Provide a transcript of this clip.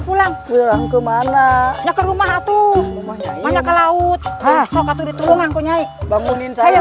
pulang pulang ke mana ya ke rumah tuh banyak ke laut sokat diturunkan punya bangunin saya